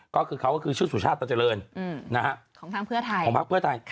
ก็คือเขาก็คือชื่อสุชาติตันเจริญของทางเพื่อไทยของพักเพื่อไทย